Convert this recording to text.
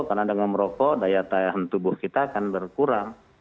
karena dengan merokok daya tahan tubuh kita akan berkurang